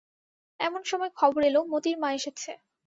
এমন সময় খবর এল, মোতির মা এসেছে।